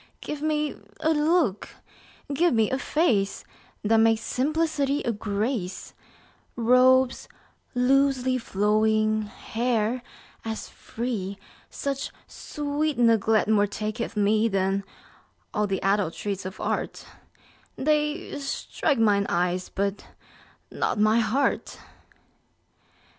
Give me a look, give me a face That makes simplicity a grace; Robes loosely flowing, hair as free: Such sweet neglect more taketh me 10 Than all th' adulteries of art; They strike mine eyes, but not my heart.